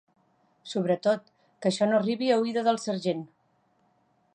Sobretot, que això no arribi a oïda del sergent.